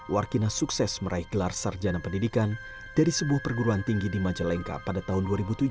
warkina sukses meraih gelar sarjana pendidikan dari sebuah perguruan tinggi di majalengka pada tahun dua ribu tujuh belas